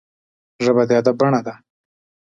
ژبه د ادب بڼه ده